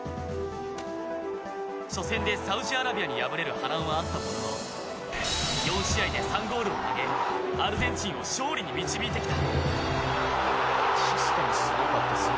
初戦でサウジアラビアに敗れる波乱はあったものの４試合で３ゴールを挙げアルゼンチンを勝利に導いてきた。